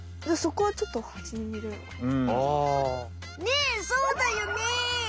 そこはちょっとねえそうだよね。